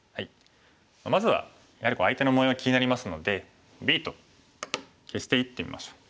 まずはやはり相手の模様が気になりますのでＢと消していってみましょう。